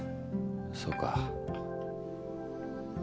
そうか。